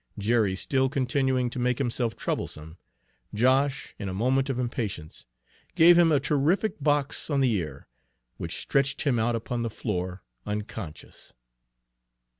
Jerry still continuing to make himself troublesome, Josh, in a moment of impatience, gave him a terrific box on the ear, which stretched him out upon the floor unconscious.